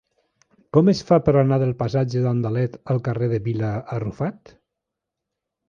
Com es fa per anar del passatge d'Andalet al carrer de Vila Arrufat?